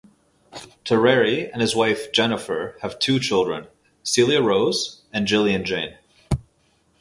Terreri and his wife Jennifer have two children, Celia Rose and Jillian Jayne.